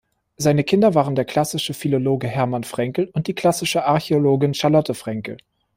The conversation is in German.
Seine Kinder waren der Klassische Philologe Hermann Fränkel und die Klassische Archäologin Charlotte Fränkel.